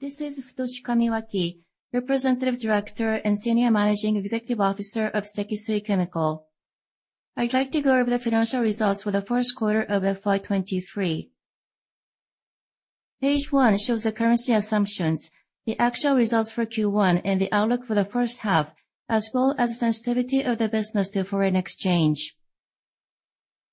This is Futoshi Kamiwaki, Representative Director and Senior Managing Executive Officer of Sekisui Chemical. I'd like to go over the financial results for the first quarter of FY 2023. Page one shows the currency assumptions, the actual results for Q1, and the outlook for the first half, as well as the sensitivity of the business to foreign exchange.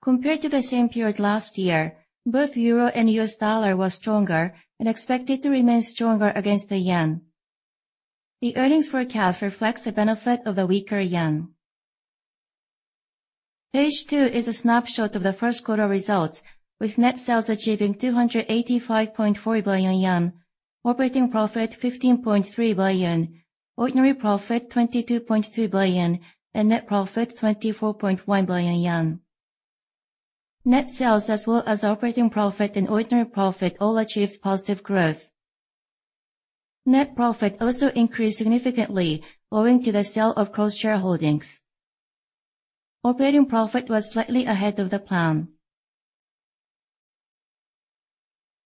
Compared to the same period last year, both Euro and US dollar was stronger and expected to remain stronger against the Yen. The earnings forecast reflects the benefit of the weaker Yen. Page two is a snapshot of the first quarter results, with net sales achieving 285.4 billion yen, operating profit 15.3 billion, ordinary profit 22.2 billion, and net profit 24.1 billion yen. Net sales, as well as operating profit and ordinary profit, all achieved positive growth. Net profit also increased significantly, owing to the sale of cross-shareholdings. Operating profit was slightly ahead of the plan.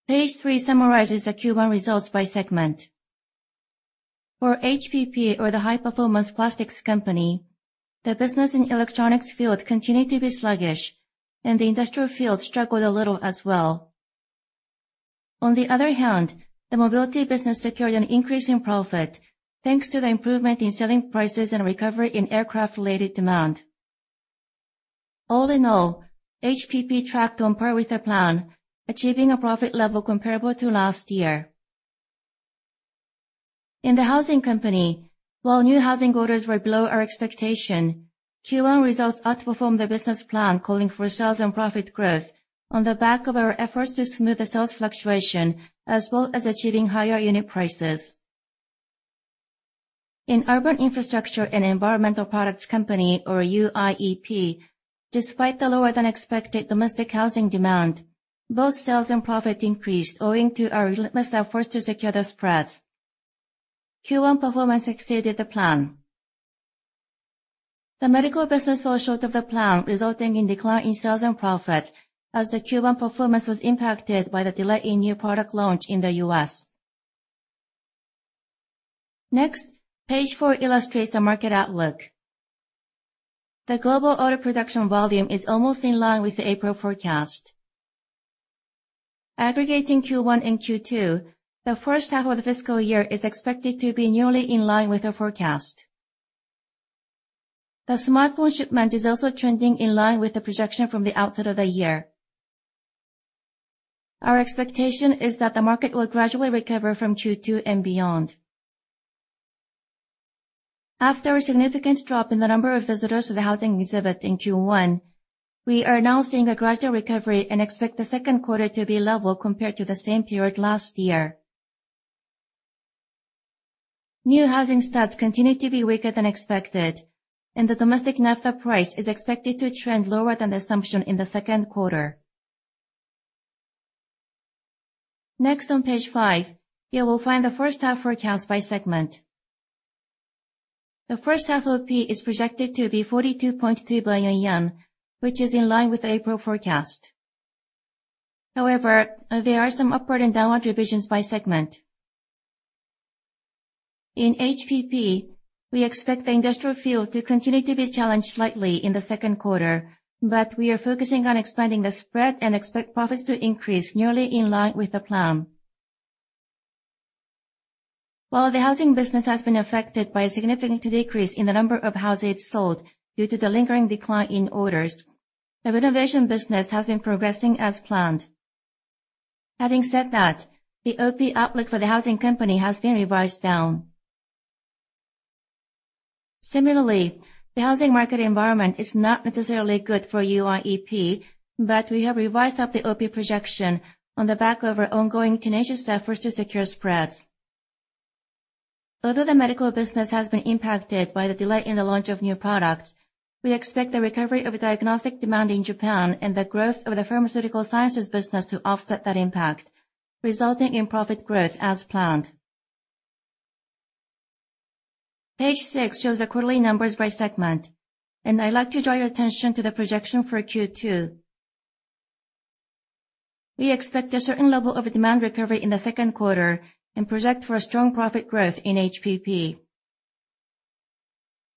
Page three summarizes the Q1 results by segment. For HPP, or the High Performance Plastics Company, the business in electronics field continued to be sluggish, and the industrial field struggled a little as well. On the other hand, the mobility business secured an increase in profit, thanks to the improvement in selling prices and recovery in aircraft-related demand. All in all, HPP tracked on par with our plan, achieving a profit level comparable to last year. In the Housing Company, while new housing orders were below our expectation, Q1 results outperformed the business plan, calling for sales and profit growth on the back of our efforts to smooth the sales fluctuation, as well as achieving higher unit prices. In Urban Infrastructure and Environmental Products Company, or UIEP, despite the lower-than-expected domestic housing demand, both sales and profit increased owing to our relentless efforts to secure the spreads. Q1 performance exceeded the plan. The medical business fell short of the plan, resulting in decline in sales and profit, as the Q1 performance was impacted by the delay in new product launch in the U.S. Page four illustrates the market outlook. The global auto production volume is almost in line with the April forecast. Aggregating Q1 and Q2, the first half of the fiscal year is expected to be nearly in line with our forecast. The smartphone shipment is also trending in line with the projection from the outset of the year. Our expectation is that the market will gradually recover from Q2 and beyond. After a significant drop in the number of visitors to the housing exhibit in Q1, we are now seeing a gradual recovery and expect the second quarter to be level compared to the same period last year. New housing starts continued to be weaker than expected. The domestic naphtha price is expected to trend lower than assumption in the second quarter. Next on page five, you will find the first half forecast by segment. The first half OP is projected to be 42.2 billion yen, which is in line with the April forecast. There are some upward and downward revisions by segment. In HPP, we expect the industrial field to continue to be challenged slightly in the second quarter. We are focusing on expanding the spread and expect profits to increase nearly in line with the plan. While the Housing Company has been affected by a significant decrease in the number of houses sold due to the lingering decline in orders, the renovation business has been progressing as planned. Having said that, the OP outlook for the Housing Company has been revised down. Similarly, the housing market environment is not necessarily good for UIEP, but we have revised up the OP projection on the back of our ongoing tenacious efforts to secure spreads. Although the medical business has been impacted by the delay in the launch of new products, we expect the recovery of diagnostic demand in Japan and the growth of the Pharmaceutical Sciences business to offset that impact, resulting in profit growth as planned. Page six shows the quarterly numbers by segment, and I'd like to draw your attention to the projection for Q2. We expect a certain level of demand recovery in the second quarter and project for a strong profit growth in HPP.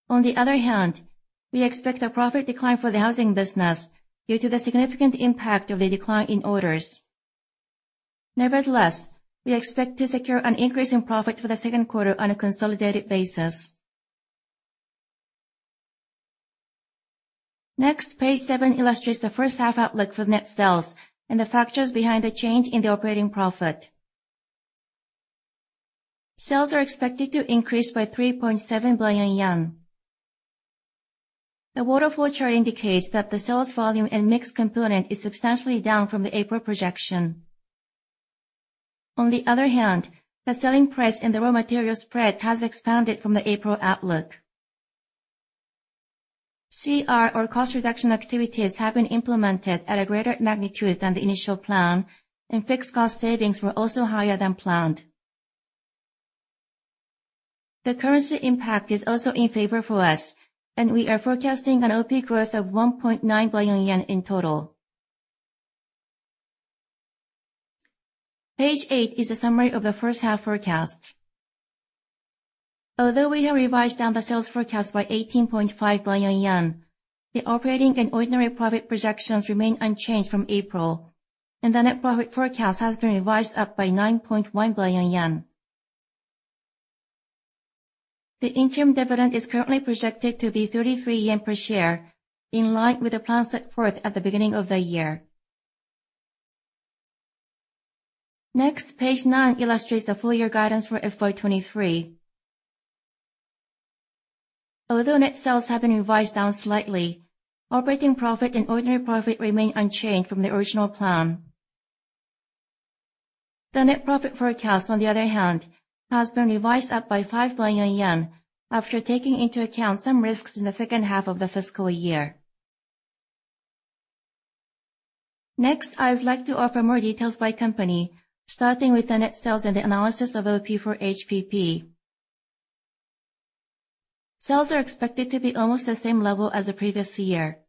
On the other hand, we expect a profit decline for the housing business due to the significant impact of the decline in orders. Nevertheless, we expect to secure an increase in profit for the second quarter on a consolidated basis. Next, page seven illustrates the first half outlook for net sales and the factors behind the change in the operating profit. Sales are expected to increase by 3.7 billion yen. The waterfall chart indicates that the sales volume and mix component is substantially down from the April projection. On the other hand, the selling price and the raw material spread has expanded from the April outlook. CR, or cost reduction activities, have been implemented at a greater magnitude than the initial plan. Fixed cost savings were also higher than planned. The currency impact is also in favor for us. We are forecasting an OP growth of 1.9 billion yen in total. Page eight is a summary of the first half forecast. Although we have revised down the sales forecast by 18.5 billion yen, the operating and ordinary profit projections remain unchanged from April. The net profit forecast has been revised up by 9.1 billion yen. The interim dividend is currently projected to be 33 yen per share, in line with the plan set forth at the beginning of the year. Next, page nine illustrates the full year guidance for FY 2023. Although net sales have been revised down slightly, operating profit and ordinary profit remain unchanged from the original plan. The net profit forecast, on the other hand, has been revised up by 5 billion yen after taking into account some risks in the second half of the fiscal year. Next, I would like to offer more details by company, starting with the net sales and the analysis of OP for HPP. Sales are expected to be almost the same level as the previous year.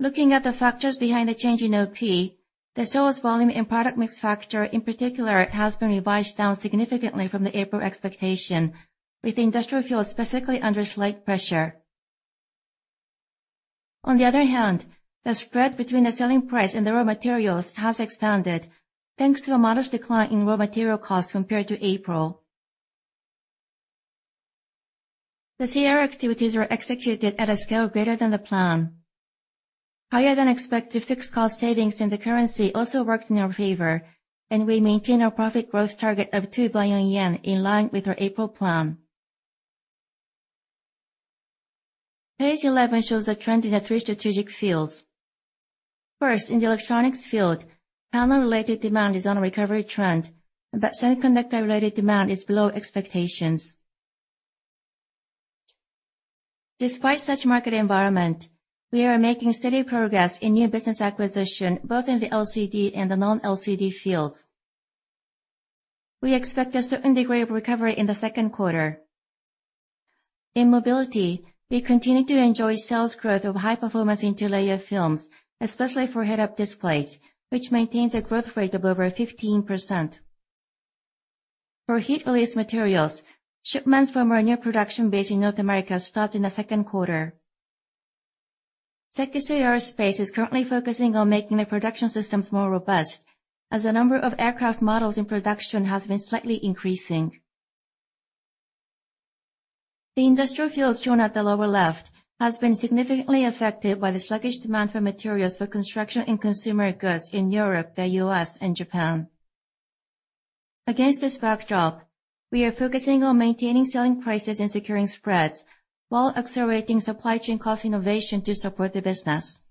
Looking at the factors behind the change in OP, the sales volume and product mix factor in particular, has been revised down significantly from the April expectation, with industrial fields specifically under slight pressure. On the other hand, the spread between the selling price and the raw materials has expanded, thanks to a modest decline in raw material costs compared to April. The CR activities were executed at a scale greater than the plan. Higher than expected fixed cost savings, the currency also worked in our favor, and we maintain our profit growth target of 2 billion yen, in line with our April plan. Page 11 shows the trend in the three strategic fields. First, in the electronics field, panel-related demand is on a recovery trend, semiconductor-related demand is below expectations. Despite such market environment, we are making steady progress in new business acquisition, both in the LCD and the non-LCD fields. We expect a certain degree of recovery in the second quarter. In mobility, we continue to enjoy sales growth of high performance interlayer films, especially for head-up displays, which maintains a growth rate of over 15%. For heat release materials, shipments from our new production base in North America starts in the second quarter. SEKISUI Aerospace is currently focusing on making the production systems more robust, as the number of aircraft models in production has been slightly increasing. The industrial fields shown at the lower left has been significantly affected by the sluggish demand for materials for construction and consumer goods in Europe, the U.S., and Japan. Against this backdrop, we are focusing on maintaining selling prices and securing spreads while accelerating supply chain cost innovation to support the business.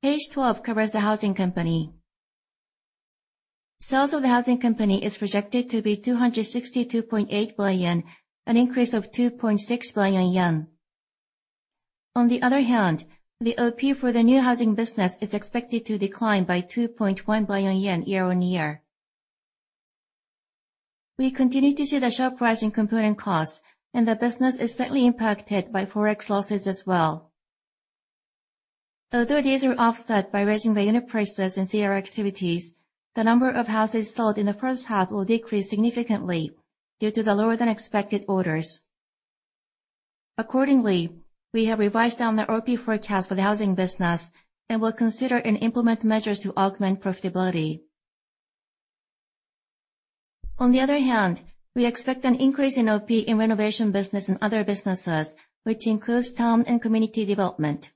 Page 12 covers the Housing Company. Sales of the Housing Company is projected to be 262.8 billion, an increase of 2.6 billion yen. On the other hand, the OP for the new housing business is expected to decline by 2.1 billion yen year-on-year. We continue to see the sharp rise in component costs, and the business is slightly impacted by forex losses as well. Although these are offset by raising the unit prices and CR activities, the number of houses sold in the first half will decrease significantly due to the lower than expected orders. Accordingly, we have revised down the OP forecast for the housing business and will consider and implement measures to augment profitability. On the other hand, we expect an increase in OP in renovation business and other businesses, which includes town and community development.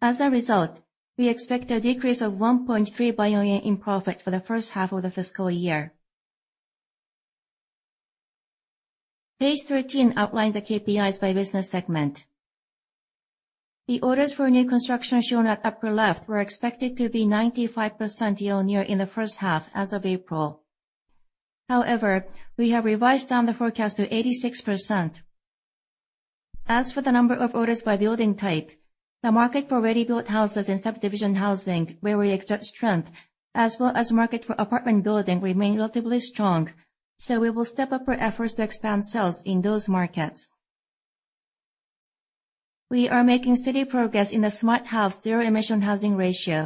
As a result, we expect a decrease of 1.3 billion in profit for the first half of the fiscal year. Page 13 outlines the KPIs by business segment. The orders for new construction shown at upper left were expected to be 95% year-on-year in the first half as of April. However, we have revised down the forecast to 86%. As for the number of orders by building type, the market for ready-built houses and subdivision housing, where we exert strength, as well as market for apartment building, remain relatively strong, so we will step up our efforts to expand sales in those markets. We are making steady progress in the Smart House zero emission housing ratio.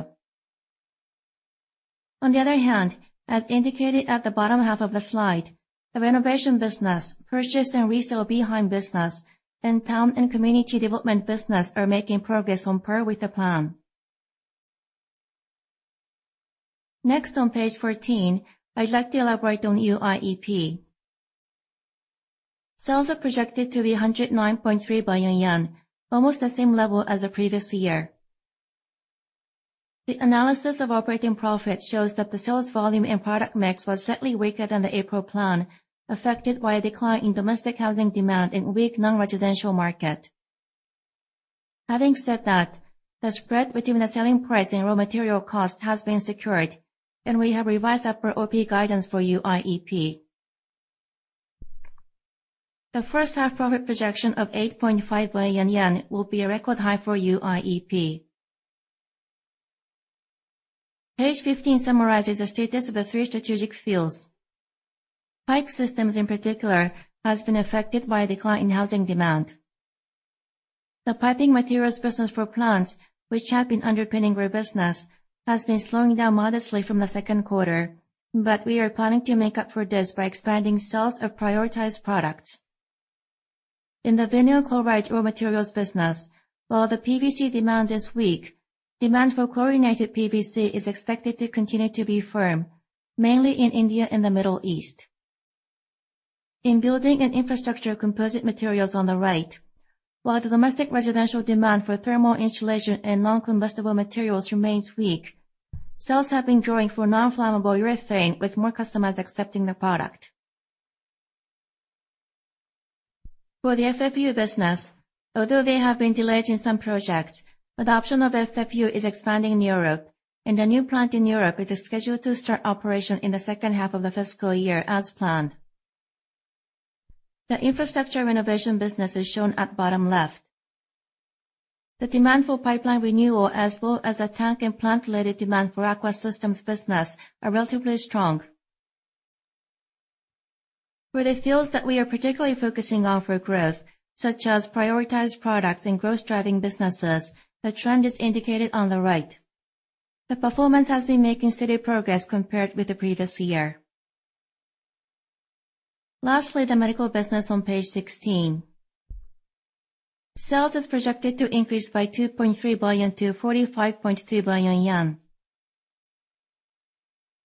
On the other hand, as indicated at the bottom half of the slide, the renovation business, purchase and resale business, and town and community development business are making progress on par with the plan. Next, on page 14, I'd like to elaborate on UIEP. Sales are projected to be 109.3 billion yen, almost the same level as the previous year. The analysis of operating profit shows that the sales volume and product mix was slightly weaker than the April plan, affected by a decline in domestic housing demand and weak non-residential market. Having said that, the spread between the selling price and raw material cost has been secured, and we have revised up our OP guidance for UIEP. The first half profit projection of 8.5 billion yen will be a record high for UIEP. Page 15 summarizes the status of the three strategic fields. Pipe systems, in particular, has been affected by a decline in housing demand. The piping materials business for plants, which have been underpinning our business, has been slowing down modestly from the second quarter, but we are planning to make up for this by expanding sales of prioritized products. In the vinyl chloride raw materials business, while the PVC demand is weak, demand for chlorinated PVC is expected to continue to be firm, mainly in India and the Middle East. In building and infrastructure composite materials on the right, while the domestic residential demand for thermal insulation and non-combustible materials remains weak, sales have been growing for non-flammable urethane, with more customers accepting the product. For the FFU business, although they have been delayed in some projects, adoption of FFU is expanding in Europe, and a new plant in Europe is scheduled to start operation in the second half of the fiscal year, as planned. The infrastructure renovation business is shown at bottom left. The demand for pipeline renewal, as well as the tank and plant-related demand for Aqua Systems business, are relatively strong. For the fields that we are particularly focusing on for growth, such as prioritized products and growth-driving businesses, the trend is indicated on the right. The performance has been making steady progress compared with the previous year. Lastly, the medical business on page 16. Sales is projected to increase by 2.3 billion-45.2 billion yen.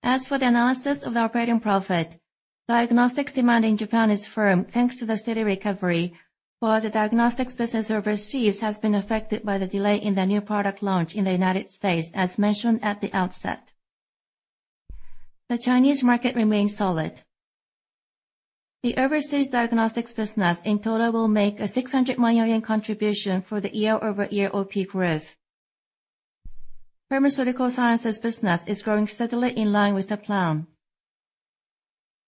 As for the analysis of the operating profit, diagnostics demand in Japan is firm, thanks to the steady recovery, while the diagnostics business overseas has been affected by the delay in the new product launch in the United States, as mentioned at the outset. The Chinese market remains solid. The overseas diagnostics business in total will make a 600 million yen contribution for the year-over-year OP growth. Pharmaceutical Sciences business is growing steadily in line with the plan.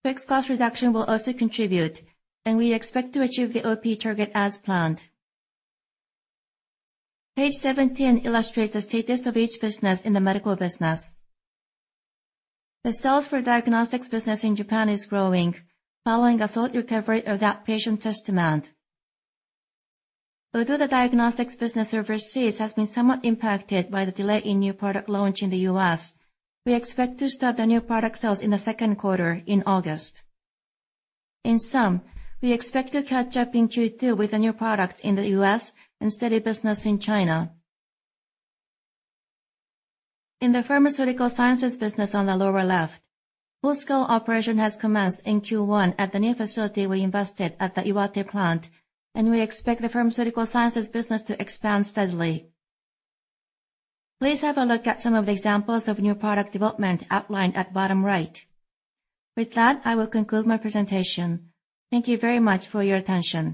Fixed cost reduction will also contribute, and we expect to achieve the OP target as planned. Page 17 illustrates the status of each business in the medical business. The sales for diagnostics business in Japan is growing, following a solid recovery of that patient test demand. Although the diagnostics business overseas has been somewhat impacted by the delay in new product launch in the U.S., we expect to start the new product sales in the second quarter, in August. In sum, we expect to catch up in Q2 with the new products in the U.S. and steady business in China. In the Pharmaceutical Sciences business on the lower left, full-scale operation has commenced in Q1 at the new facility we invested at the Iwate plant, and we expect the Pharmaceutical Sciences business to expand steadily. Please have a look at some of the examples of new product development outlined at bottom right. With that, I will conclude my presentation. Thank you very much for your attention.